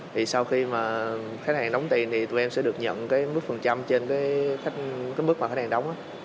thì sau khi mà khách hàng đóng tiền thì tụi em sẽ được nhận cái mức phần trăm trên cái mức mà khách hàng đóng